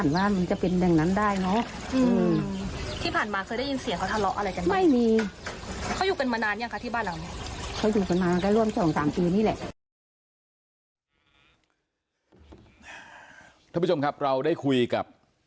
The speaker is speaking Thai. ท่านผู้ชมครับเราได้คุยกับ